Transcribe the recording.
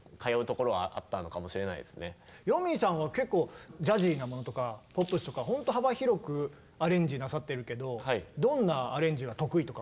よみぃさんは結構ジャジーなものとかポップスとかほんと幅広くアレンジなさっているけどどんなアレンジが得意とかありますか？